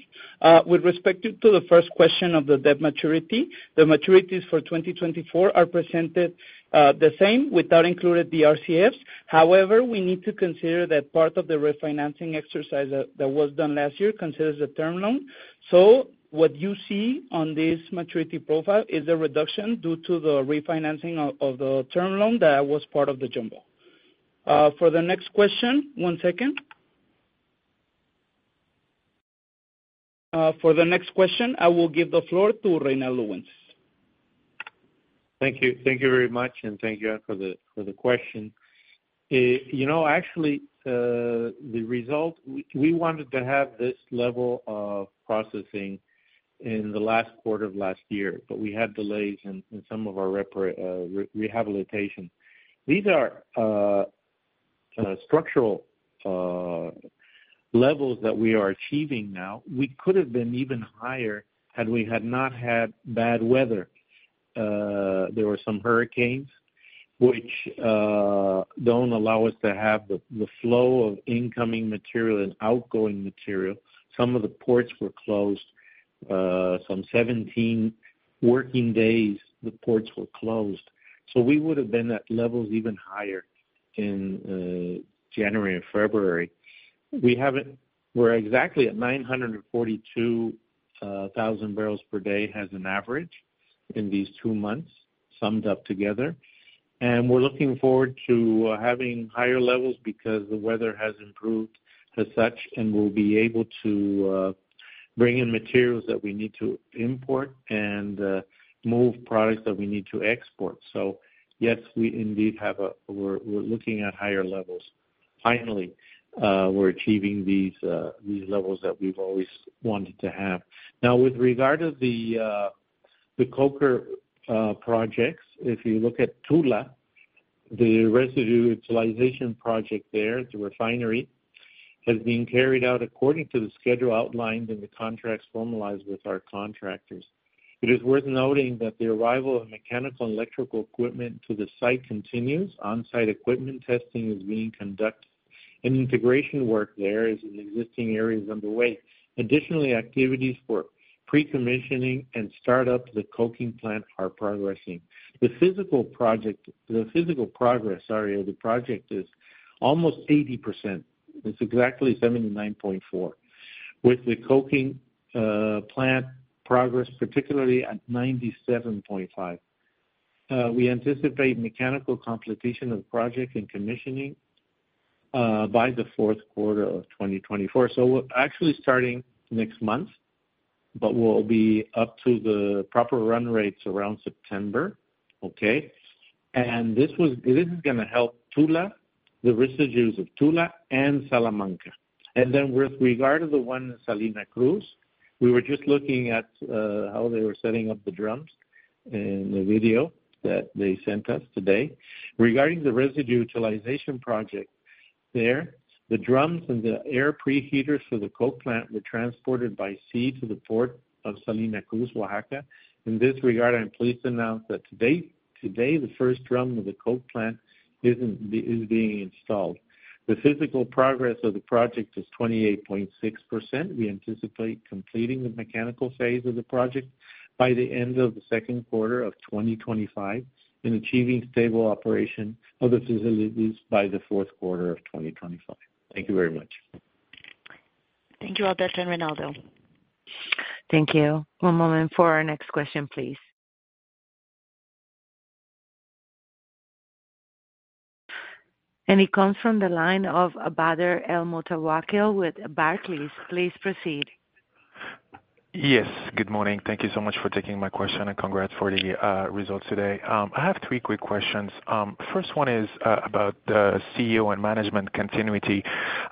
With respect to the first question of the debt maturity, the maturities for 2024 are presented the same without including the RCFs. However, we need to consider that part of the refinancing exercise that was done last year considers the term loan. So what you see on this maturity profile is a reduction due to the refinancing of the term loan that was part of the jumbo. For the next question one second. For the next question, I will give the floor to Reinaldo Wences.
Thank you. Thank you very much. And thank you, Anne, for the question. Actually, the result we wanted to have this level of processing in the last quarter of last year, but we had delays in some of our rehabilitation. These are structural levels that we are achieving now. We could have been even higher had we had not had bad weather. There were some hurricanes, which don't allow us to have the flow of incoming material and outgoing material. Some of the ports were closed. Some 17 working days, the ports were closed. So we would have been at levels even higher in January and February. We're exactly at 942,000 bbl per day as an average in these two months summed up together. We're looking forward to having higher levels because the weather has improved as such and we'll be able to bring in materials that we need to import and move products that we need to export. So yes, we indeed have a we're looking at higher levels. Finally, we're achieving these levels that we've always wanted to have. Now, with regard to the coker projects, if you look at Tula, the residue utilization project there, the refinery, has been carried out according to the schedule outlined in the contracts formalized with our contractors. It is worth noting that the arrival of mechanical and electrical equipment to the site continues. On-site equipment testing is being conducted. And integration work there is in existing areas underway. Additionally, activities for pre-commissioning and startup of the coking plant are progressing. The physical progress, sorry, of the project is almost 80%. It's exactly 79.4. With the coking plant progress, particularly at 97.5, we anticipate mechanical completion of the project and commissioning by the fourth quarter of 2024. So we're actually starting next month, but we'll be up to the proper run rates around September. Okay? And this is going to help Tula, the residues of Tula and Salamanca. And then with regard to the one in Salina Cruz, we were just looking at how they were setting up the drums in the video that they sent us today. Regarding the residue utilization project there, the drums and the air preheaters for the coke plant were transported by sea to the port of Salina Cruz, Oaxaca. In this regard, I'm pleased to announce that today, the first drum of the coke plant is being installed. The physical progress of the project is 28.6%. We anticipate completing the mechanical phase of the project by the end of the second quarter of 2025 and achieving stable operation of the facilities by the fourth quarter of 2025. Thank you very much.
Thank you all, Betsy and Reinaldo. Thank you. One moment for our next question, please. It comes from the line of Badr El Moutawakil with Barclays. Please proceed.
Yes. Good morning. Thank you so much for taking my question and congrats for the results today. I have three quick questions. First one is about the CEO and management continuity.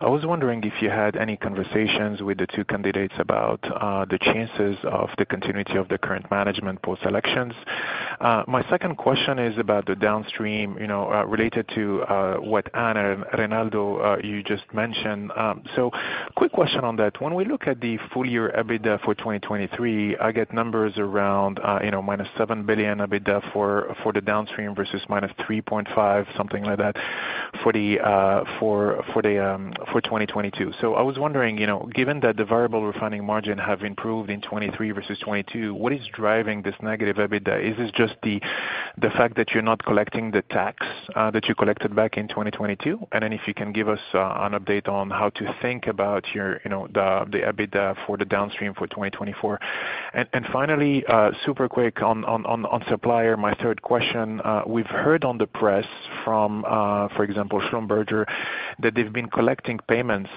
I was wondering if you had any conversations with the two candidates about the chances of the continuity of the current management post-elections. My second question is about the downstream related to what Anne and Reinaldo you just mentioned. So quick question on that. When we look at the full-year EBITDA for 2023, I get numbers around minus $7 billion EBITDA for the downstream versus minus $3.5 billion, something like that, for 2022. So I was wondering, given that the variable refining margin has improved in 2023 versus 2022, what is driving this negative EBITDA? Is this just the fact that you're not collecting the tax that you collected back in 2022? Then if you can give us an update on how to think about the EBITDA for the downstream for 2024? And finally, super quick on supplier, my third question. We've heard on the press from, for example, Schlumberger that they've been collecting payments.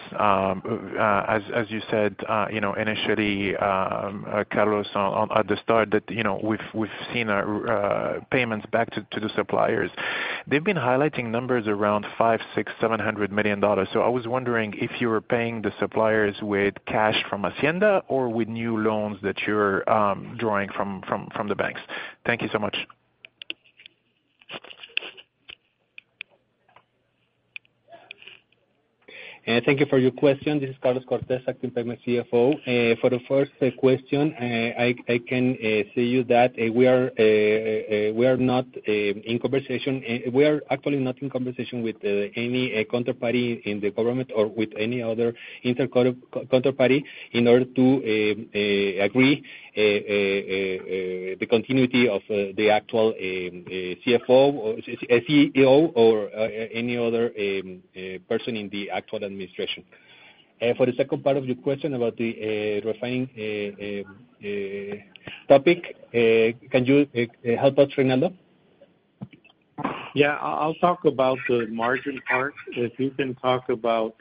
As you said initially, Carlos, at the start, that we've seen payments back to the suppliers. They've been highlighting numbers around $500 million, $600 million, $700 million. So I was wondering if you were paying the suppliers with cash from Hacienda or with new loans that you're drawing from the banks? Thank you so much.
Thank you for your question. This is Carlos Cortez, acting PEMEX CFO. For the first question, I can say to you that we are not in conversation, we are actually not in conversation with any counterparty in the government or with any other intercounterparty in order to agree the continuity of the actual CFO or CEO or any other person in the actual administration. For the second part of your question about the refining topic, can you help us, Reinaldo?
Yeah. I'll talk about the margin part. If you can talk about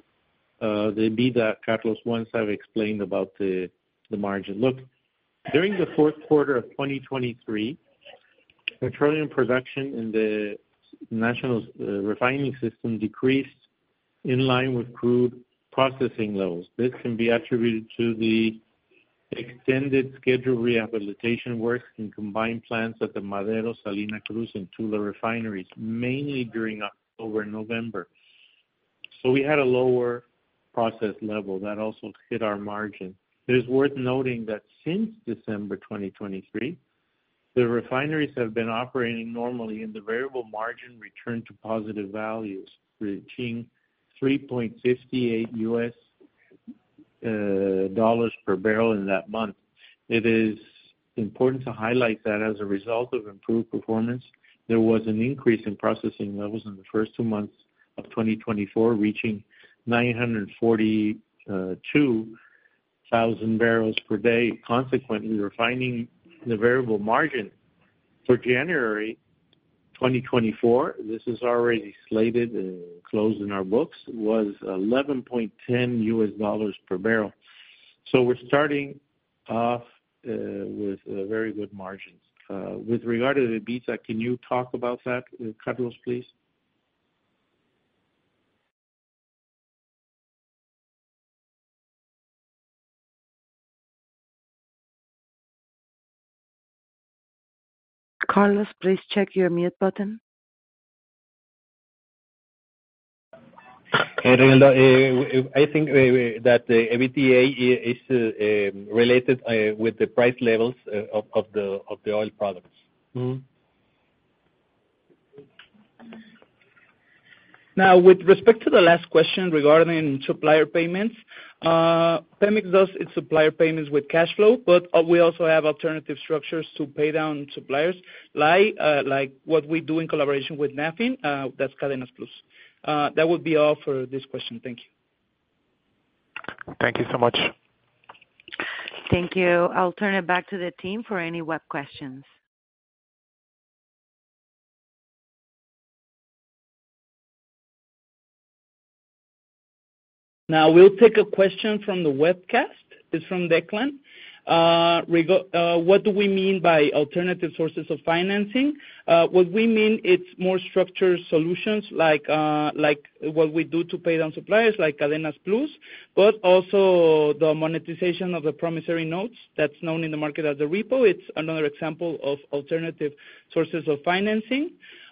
the EBITDA Carlos once have explained about the margin. Look, during the fourth quarter of 2023, petroleum production in the national refining system decreased in line with crude processing levels. This can be attributed to the extended schedule rehabilitation works in combined plants at the Madero, Salina Cruz, and Tula refineries, mainly during October and November. So we had a lower process level. That also hit our margin. It is worth noting that since December 2023, the refineries have been operating normally and the variable margin returned to positive values, reaching $3.58 per bbl in that month. It is important to highlight that as a result of improved performance, there was an increase in processing levels in the first two months of 2024, reaching 942,000 bbl per day. Consequently, refining the variable margin for January 2024, this is already slated and closed in our books, was $11.10 per bbl. So we're starting off with very good margins. With regard to the EBITDA, can you talk about that, Carlos, please?
Carlos, please check your mute button.
Reinaldo, I think that the EBITDA is related with the price levels of the oil products.
Now, with respect to the last question regarding supplier payments, PEMEX does its supplier payments with cash flow, but we also have alternative structures to pay down suppliers like what we do in collaboration with NAFIN. That's Cadenas Plus. That would be all for this question. Thank you.
Thank you so much.
Thank you. I'll turn it back to the team for any web questions.
Now, we'll take a question from the webcast. It's from Declan. What do we mean by alternative sources of financing? What we mean, it's more structured solutions like what we do to pay down suppliers like Cadenas Plus, but also the monetization of the promissory notes that's known in the market as the repo. It's another example of alternative sources of financing.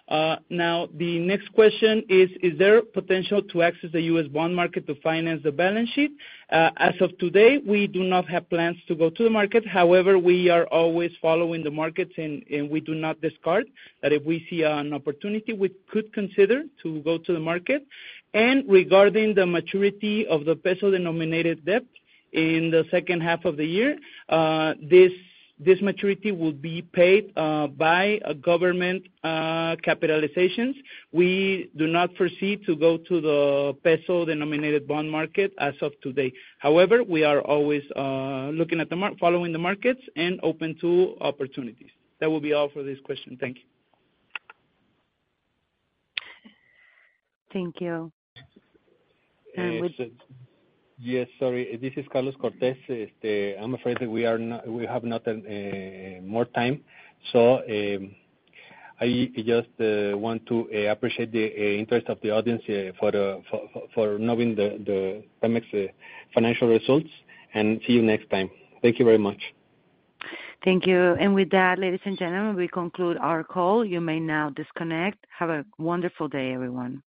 Now, the next question is, is there potential to access the U.S. bond market to finance the balance sheet? As of today, we do not have plans to go to the market. However, we are always following the markets and we do not discard that if we see an opportunity, we could consider to go to the market. Regarding the maturity of the peso-denominated debt in the second half of the year, this maturity will be paid by government capitalizations. We do not foresee to go to the peso-denominated bond market as of today. However, we are always looking at the following the markets and open to opportunities. That would be all for this question. Thank you.
Thank you. And would.
Yes. Sorry. This is Carlos Cortez. I'm afraid that we have not more time. So I just want to appreciate the interest of the audience for knowing the PEMEX financial results and see you next time. Thank you very much.
Thank you. With that, ladies and gentlemen, we conclude our call. You may now disconnect. Have a wonderful day, everyone.